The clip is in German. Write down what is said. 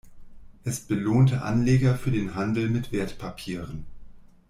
Es belohnte Anleger für den Handel mit Wertpapieren.